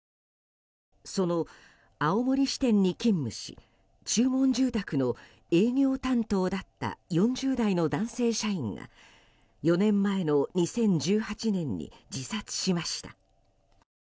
その青森支店に勤務し注文住宅の営業担当だった４０代の男性社員が４年前の２０１８年に自殺しました。